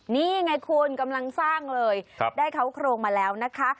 นี่ไงคุณกำลังสร้างเลยได้เขาโครงมาแล้วนะคะ